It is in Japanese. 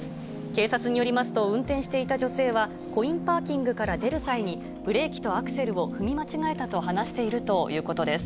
警察によりますと運転していた女性は、コインパーキングから出る際に、ブレーキとアクセルを踏み間違えたと話しているということです。